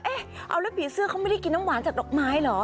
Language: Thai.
เอาแล้วผีเสื้อเขาไม่ได้กินน้ำหวานจากดอกไม้เหรอ